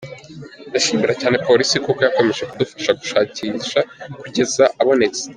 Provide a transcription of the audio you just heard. Ndashimira cyane Polisi kuko yakomeje kudufasha gushakisha kugeza abonetse.